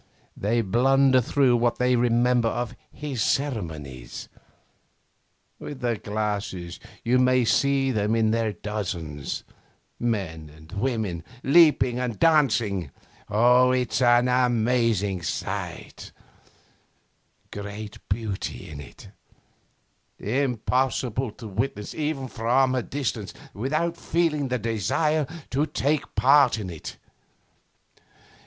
They blunder through what they remember of his ceremonies. With the glasses you may see them in their dozens, men and women, leaping and dancing. It's an amazing sight, great beauty in it, impossible to witness even from a distance without feeling the desire to take part in it.